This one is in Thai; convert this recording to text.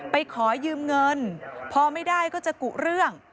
ไปขอยืมเงินพอไม่ได้ก็จะกุเรื่อง